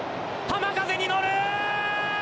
浜風に乗る！